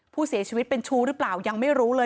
ผู้เสียชีวิตเป็นชู้หรือเปล่ายังไม่รู้เลย